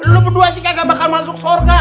lo berdua sih kagak bakal masuk sorga